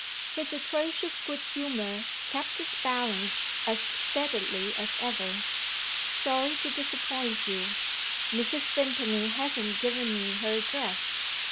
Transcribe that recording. His atrocious good humour kept its balance as steadily as ever: "Sorry to disappoint you. Mrs. Vimpany hasn't given me her address.